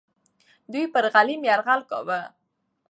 دوی پر غلیم یرغل کاوه.